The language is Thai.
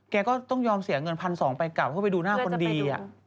ก็ต้องยอมเสียเงิน๑๒๐๐ไปกลับเข้าไปดูหน้าคนดี